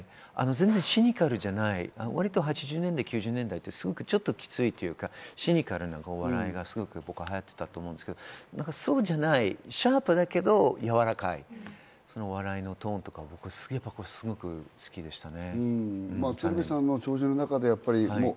全然シニカルじゃない、８０年代・９０年代って、ちょっときついというか、シニカルなお笑いがすごく流行っていたと思うんですけど、そうじゃない、シャープだけどやわらかい、そのお笑いのトーンとかは、すごく好きでしたね。